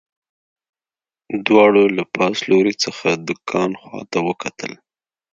دواړو له پاس لوري څخه د کان خواته وکتل